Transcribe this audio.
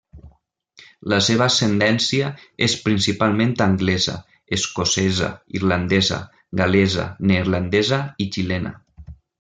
La seva ascendència és principalment anglesa, escocesa, irlandesa, gal·lesa, neerlandesa i xilena.